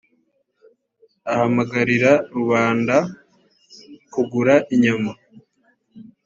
ahamagarira rubanda kugura inyama